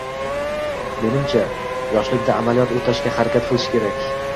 Menimcha, yoshlikda amaliyot oʻtashga harakat qilish kerak.